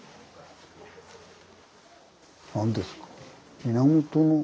何ですか。